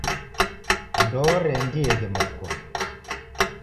Ndooreendieghe marikonyi.